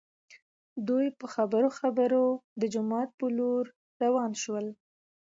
دوي په خبرو خبرو د جومات په لور راوان شول.